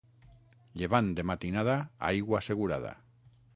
Llevant de matinada, aigua assegurada.